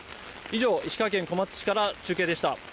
以上、石川県小松市から中継でした。